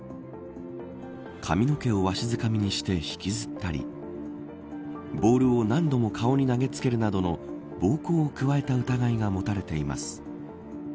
髪の毛をわしづかみにして引きずったりボールを何度も顔に投げつけるなどの暴行を加えた疑いが持たれています。